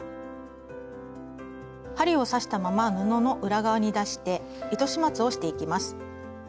針を刺したまま布の裏側に出して糸始末をしていきます。